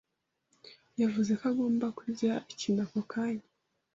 yavuze ko agomba kurya ikintu ako kanya.